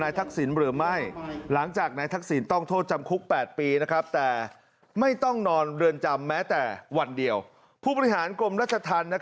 ในครั้งนั้นนะฮะก็ไม่ได้รับอนุญาต